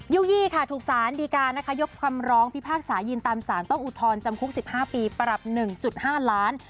ี่ยวยี่ค่ะถูกสารดีการนะคะยกคำร้องพิพากษายืนตามสารต้องอุทธรณ์จำคุก๑๕ปีปรับ๑๕ล้าน